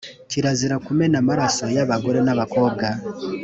kirazira kumena amaraso y’abagore n’abakobwa